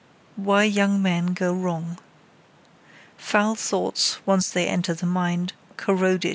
WHY YOUNG MEN GO WRONG Foul thoughts, once they enter the mind, corrode it.